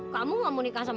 kamu ingin menikah sama aku